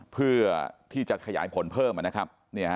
เพื่อที่จะขยายผลเพิ่มนะครับ